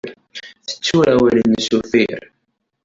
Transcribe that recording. Tettu awal-nnes uffir.